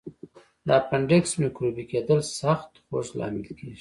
د اپنډکس میکروبي کېدل سخت خوږ لامل کېږي.